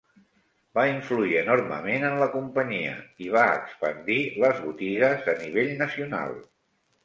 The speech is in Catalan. Va influir enormement en la companyia i va expandir les botigues a nivell nacional.